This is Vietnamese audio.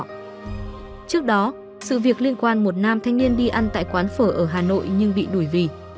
trước đó sự việc liên quan một nam thanh niên đi ăn tại quán phở ở hà nội nhưng bị đuổi vì